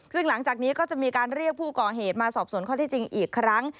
ซึ่งหลังจากนี้ก็จะมีการเรียกผู้ก่อเหตุมาสอบสวนข้อที่จริงอีกครั้ง